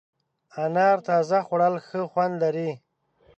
انار تازه خوړل ښه خوند لري.